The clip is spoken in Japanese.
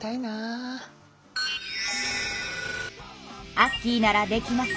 アッキーならできます。